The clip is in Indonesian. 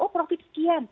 oh profit sekian